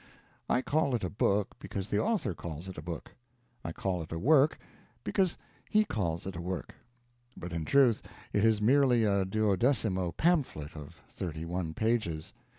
I call it a book because the author calls it a book, I call it a work because he calls it a work; but, in truth, it is merely a duodecimo pamphlet of thirty one pages.